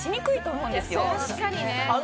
確かにね。